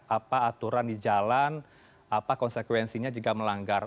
apa aturan di jalan apa konsekuensinya jika melanggar